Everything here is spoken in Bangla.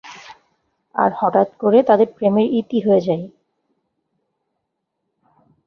আর হঠাৎ করে তাদের প্রেমের ইতি হয়ে যায়।